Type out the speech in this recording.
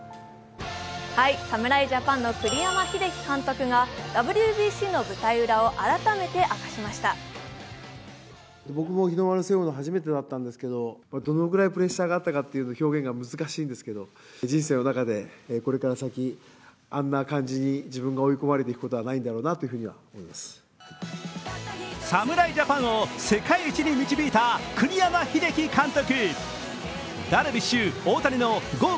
侍ジャパンの栗山英樹監督がＷＢＣの舞台裏を改めて明かしました侍ジャパンを世界一に導いた栗山英樹監督。